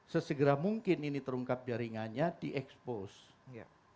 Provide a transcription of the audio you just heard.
sesegera mungkin ini terungkap jaringannya diexpose